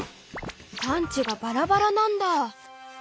産地がバラバラなんだ！